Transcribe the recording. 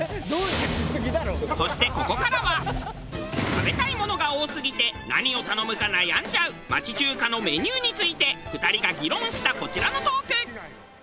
そしてここからは食べたいものが多すぎて何を頼むか悩んじゃう町中華のメニューについて２人が議論したこちらのトーク。